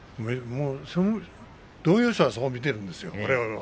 同業者はそこを見てるんですよ。